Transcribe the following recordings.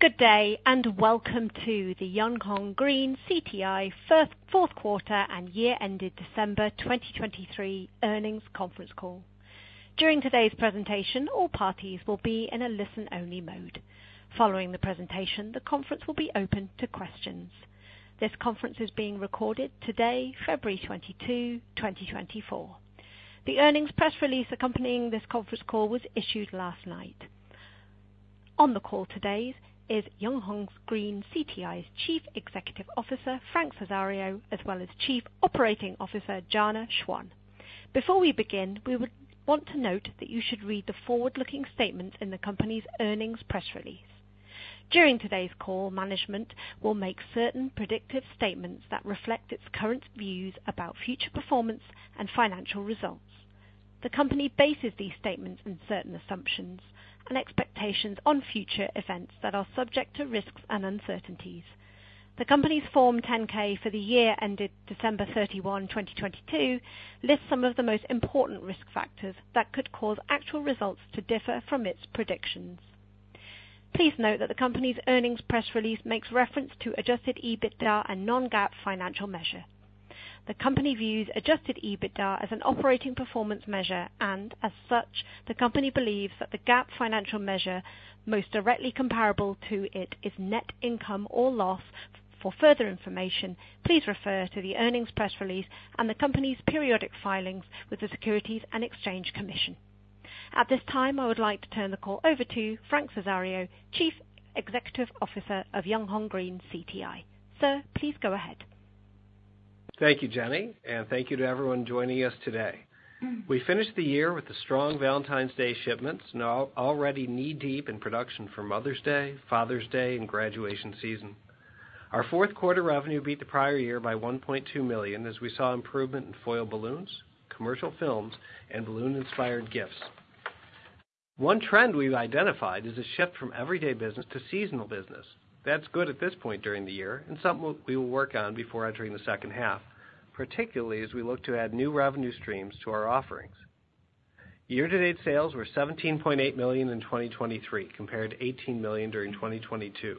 Good day and welcome to the Yunhong Green CTI fourth quarter and year-ended December 2023 earnings conference call. During today's presentation, all parties will be in a listen-only mode. Following the presentation, the conference will be open to questions. This conference is being recorded today, February 22, 2024. The earnings press release accompanying this conference call was issued last night. On the call today is Yunhong Green CTI's Chief Executive Officer, Frank Cesario, as well as Chief Operating Officer, Jana Schwan. Before we begin, we would want to note that you should read the forward-looking statements in the company's earnings press release. During today's call, management will make certain predictive statements that reflect its current views about future performance and financial results. The company bases these statements on certain assumptions and expectations on future events that are subject to risks and uncertainties. The company's Form 10-K for the year-ended December 31, 2022, lists some of the most important risk factors that could cause actual results to differ from its predictions. Please note that the company's earnings press release makes reference to adjusted EBITDA and non-GAAP financial measure. The company views adjusted EBITDA as an operating performance measure and, as such, the company believes that the GAAP financial measure, most directly comparable to it, is net income or loss. For further information, please refer to the earnings press release and the company's periodic filings with the Securities and Exchange Commission. At this time, I would like to turn the call over to Frank Cesario, Chief Executive Officer of Yunhong Green CTI. Sir, please go ahead. Thank you, Jenny, and thank you to everyone joining us today. We finished the year with a strong Valentine's Day shipments, now already knee-deep in production for Mother's Day, Father's Day, and graduation season. Our fourth quarter revenue beat the prior year by $1.2 million as we saw improvement in foil balloons, commercial films, and balloon-inspired gifts. One trend we've identified is a shift from everyday business to seasonal business. That's good at this point during the year and something we will work on before entering the second half, particularly as we look to add new revenue streams to our offerings. Year-to-date sales were $17.8 million in 2023 compared to $18 million during 2022.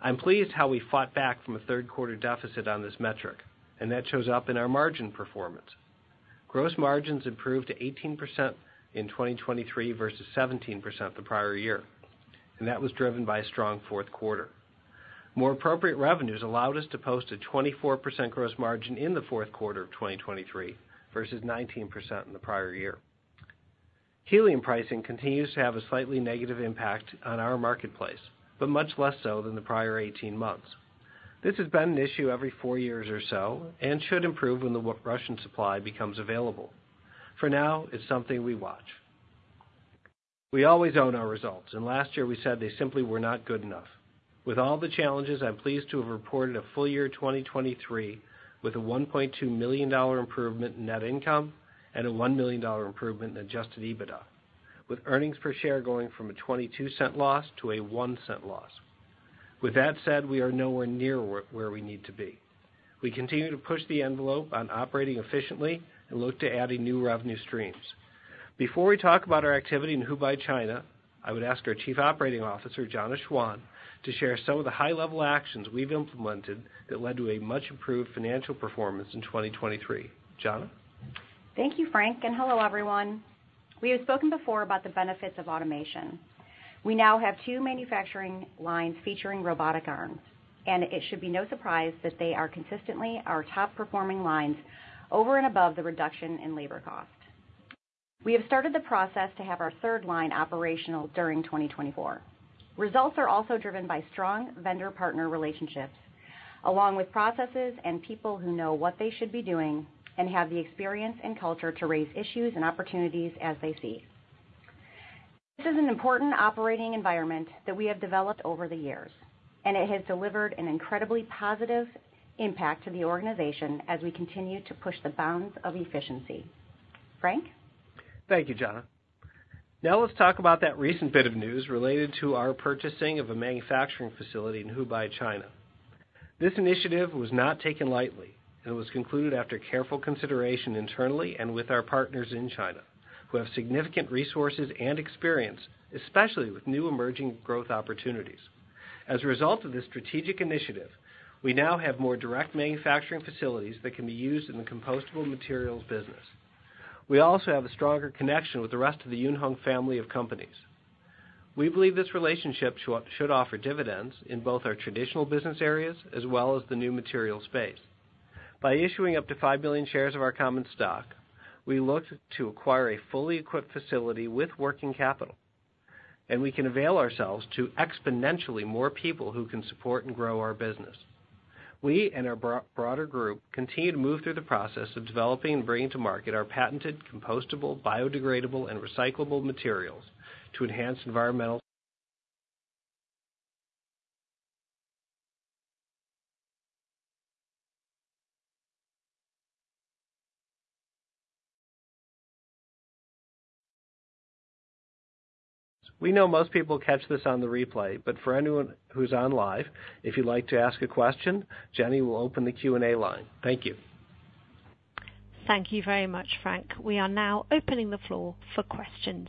I'm pleased how we fought back from a third-quarter deficit on this metric, and that shows up in our margin performance. Gross margins improved to 18% in 2023 versus 17% the prior year, and that was driven by a strong fourth quarter. More appropriate revenues allowed us to post a 24% gross margin in the fourth quarter of 2023 versus 19% in the prior year. Helium pricing continues to have a slightly negative impact on our marketplace, but much less so than the prior 18 months. This has been an issue every four years or so and should improve when the Russian supply becomes available. For now, it's something we watch. We always own our results, and last year we said they simply were not good enough. With all the challenges, I'm pleased to have reported a full year 2023 with a $1.2 million improvement in net income and a $1 million improvement in adjusted EBITDA, with earnings per share going from a $0.22 loss to a $0.01 loss. With that said, we are nowhere near where we need to be. We continue to push the envelope on operating efficiently and look to adding new revenue streams. Before we talk about our activity in Hubei, China, I would ask our Chief Operating Officer, Jana Schwan, to share some of the high-level actions we've implemented that led to a much-improved financial performance in 2023. Jana? Thank you, Frank, and hello, everyone. We have spoken before about the benefits of automation. We now have two manufacturing lines featuring robotic arms, and it should be no surprise that they are consistently our top-performing lines over and above the reduction in labor costs. We have started the process to have our third line operational during 2024. Results are also driven by strong vendor-partner relationships, along with processes and people who know what they should be doing and have the experience and culture to raise issues and opportunities as they see. This is an important operating environment that we have developed over the years, and it has delivered an incredibly positive impact to the organization as we continue to push the bounds of efficiency. Frank? Thank you, Jana. Now let's talk about that recent bit of news related to our purchasing of a manufacturing facility in Hubei, China. This initiative was not taken lightly, and it was concluded after careful consideration internally and with our partners in China, who have significant resources and experience, especially with new emerging growth opportunities. As a result of this strategic initiative, we now have more direct manufacturing facilities that can be used in the compostable materials business. We also have a stronger connection with the rest of the Yunhong family of companies. We believe this relationship should offer dividends in both our traditional business areas as well as the new materials space. By issuing up to 5 million shares of our common stock, we look to acquire a fully equipped facility with working capital, and we can avail ourselves to exponentially more people who can support and grow our business. We and our broader group continue to move through the process of developing and bringing to market our patented compostable, biodegradable, and recyclable materials to enhance environmental safety. We know most people catch this on the replay, but for anyone who's on live, if you'd like to ask a question, Jenny will open the Q&A line. Thank you. Thank you very much, Frank. We are now opening the floor for questions.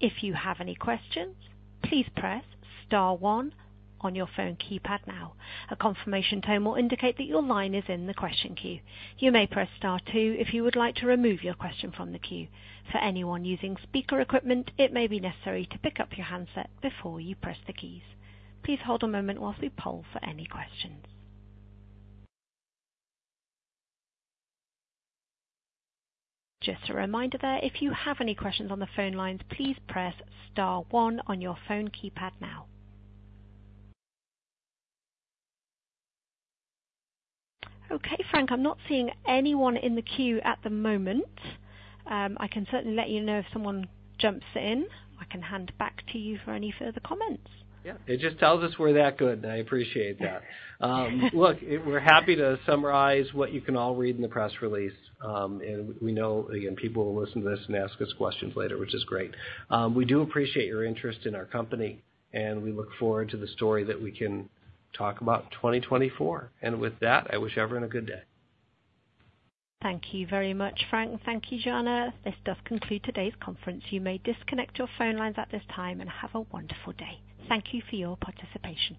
If you have any questions, please press star one on your phone keypad now. A confirmation tone will indicate that your line is in the question queue. You may press star two if you would like to remove your question from the queue. For anyone using speaker equipment, it may be necessary to pick up your handset before you press the keys. Please hold a moment while we poll for any questions. Just a reminder there, if you have any questions on the phone lines, please press star one on your phone keypad now. Okay, Frank, I'm not seeing anyone in the queue at the moment. I can certainly let you know if someone jumps in. I can hand back to you for any further comments. Yeah, it just tells us we're that good, and I appreciate that. Look, we're happy to summarize what you can all read in the press release, and we know, again, people will listen to this and ask us questions later, which is great. We do appreciate your interest in our company, and we look forward to the story that we can talk about 2024. With that, I wish everyone a good day. Thank you very much, Frank. Thank you, Jana. This does conclude today's conference. You may disconnect your phone lines at this time and have a wonderful day. Thank you for your participation.